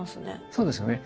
そうですよね。